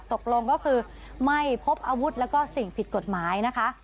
ตกลงก็คือไม่พบอาวุธแล้วก็สิ่งผิดกฎหมายนะคะ